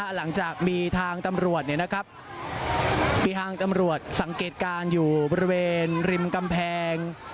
หลังจากมีทางตำรวจมีทางตำรวจสังเกตการณ์อยู่บริเวณริมกำแพง